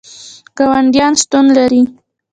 ګاونډیان شتون لري